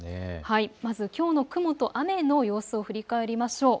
きょうの雲と雨の様子を振り返りましょう。